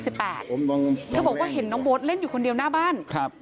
เธอบอกว่าเห็นน้องโบ๊ทเล่นอยู่คนเดียวหน้าบ้านครับ